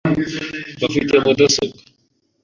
Bafite mudasobwa?